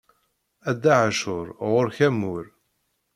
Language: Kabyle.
A Dda Ɛacur ɣur-k amur.